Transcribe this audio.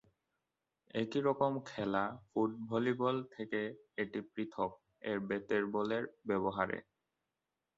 একই রকম খেলা ফুট ভলিবল থেকে এটি পৃথক এর বেতের বলের ব্যবহারে।